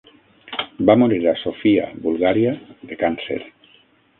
Va morir a Sofia, Bulgària, de càncer.